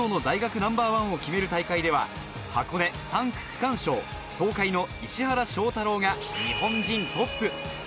ナンバーワンを決める大会では、箱根３区区間賞、東海の石原翔太郎が日本人トップ。